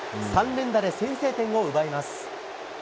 ３連打で先制点を奪います。